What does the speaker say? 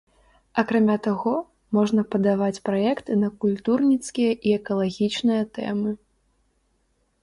Акрамя таго, можна падаваць праекты на культурніцкія і экалагічныя тэмы.